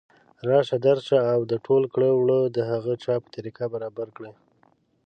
راشه درشه او او ټول کړه وړه د هغه چا په طریقه برابر کړه